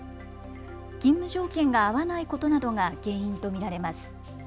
勤務条件が合わないことなどが原因と見られます。